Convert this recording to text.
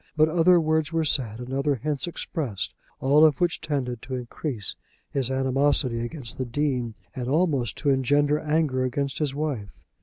But other words were said and other hints expressed, all of which tended to increase his animosity against the Dean, and almost to engender anger against his wife.